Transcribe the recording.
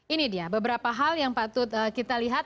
ini dia beberapa hal yang patut kita lihat